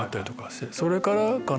それからかな。